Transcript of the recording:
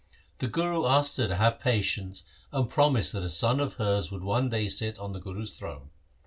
The Guru asked her to have patience and promised that a son of hers should one day sit on the Guru's throne.